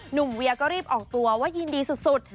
เวียก็รีบออกตัวว่ายินดีสุด